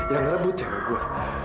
yang rebut cewek gue